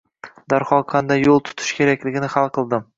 Darhol qanday yo`l tutish kerakligini hal qildim